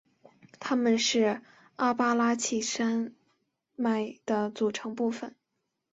它们是阿巴拉契亚山脉的组成部分。